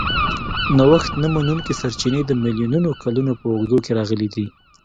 نوښت نه منونکي سرچینې د میلیونونو کالونو په اوږدو کې راغلي دي.